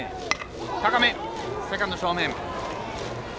高め、セカンド正面。